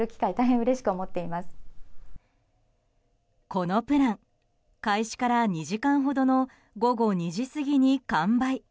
このプラン開始から２時間ほどの午後２時過ぎに完売。